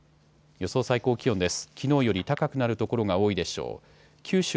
予想最高気温です。